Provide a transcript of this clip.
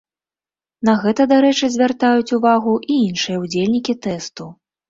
На гэта, дарэчы, звяртаюць увагу і іншыя ўдзельнікі тэсту.